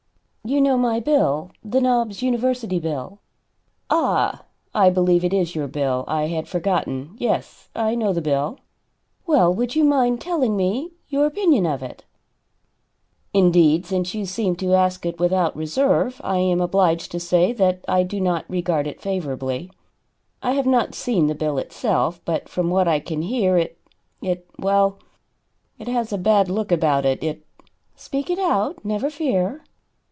"You know my bill the Knobs University bill?" "Ah, I believe it is your bill. I had forgotten. Yes, I know the bill." "Well, would you mind telling me your opinion of it?" "Indeed, since you seem to ask it without reserve, I am obliged to say that I do not regard it favorably. I have not seen the bill itself, but from what I can hear, it it well, it has a bad look about it. It " "Speak it out never fear."